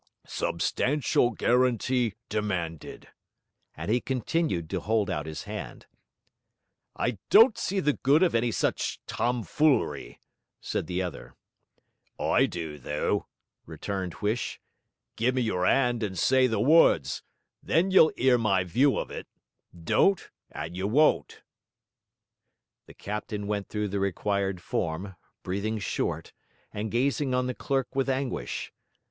'Substantial guarantee demanded.' And he continued to hold out his hand. 'I don't see the good of any such tomfoolery,' said the other. 'I do, though,' returned Huish. 'Gimme your 'and and say the words; then you'll 'ear my view of it. Don't, and you won't.' The captain went through the required form, breathing short, and gazing on the clerk with anguish.